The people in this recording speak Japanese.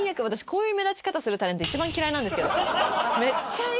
私、こういう目立ち方するタレント、一番嫌いなんですけど。